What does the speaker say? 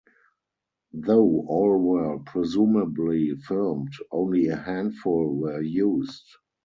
Though all were presumably filmed, only a handful were used.